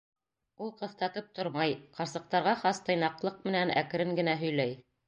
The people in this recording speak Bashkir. Ул ҡыҫтатып тормай, ҡарсыҡтарға хас тыйнаҡлыҡ менән әкрен генә һөйләй.